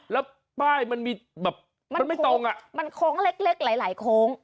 แล้วป้ายมันไม่ตรงมันโค้งเล็กหลายโค้ง